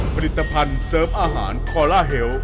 ผลิตภัณฑ์เสริมอาหารคอลลาเฮล